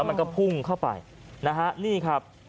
มันก็พุ่งเข้าไปนะฮะนี่ครับ